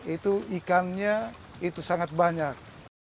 itu ikannya itu sangat banyak